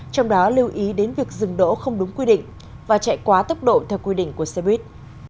trong đó lưu ý đến việc dừng đỗ không đúng quy định và chạy quá tốc độ theo quy định của xe buýt